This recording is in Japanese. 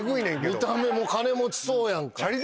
見た目も金持ちそうやんか。